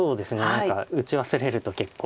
何か打ち忘れると結構。